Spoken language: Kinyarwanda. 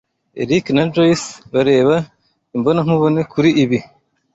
Eric na Joyce bareba imbonankubone kuri ibi.